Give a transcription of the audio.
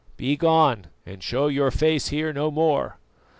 Begone, and show your face here no more!"